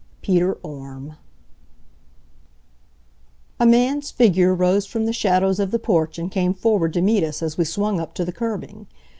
PETER ORME A man's figure rose from the shadows of the porch and came forward to meet us as we swung up to the curbing.